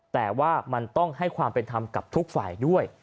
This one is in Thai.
แต่ว่ามันต้องให้ความเป็นธรรมกับทุกฝ่ายด้วย